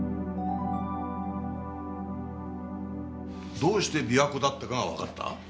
どうして琵琶湖だったかがわかった？